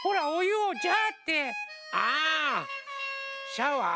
シャワー？